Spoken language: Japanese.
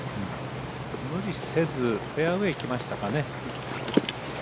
無理せずフェアウエーいきましたかね。